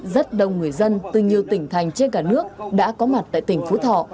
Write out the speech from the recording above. rất đông người dân từ nhiều tỉnh thành trên cả nước đã có mặt tại tỉnh phú thọ